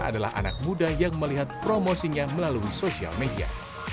adalah anak muda yang melihat promosinya melalui sosial media